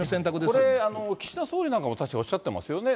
これ、岸田総理なんかも確かおっしゃってますよね。